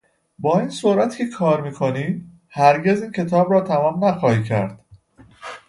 با این سرعتی که کار میکنی هرگز این کتاب را تمام نخواهی کرد.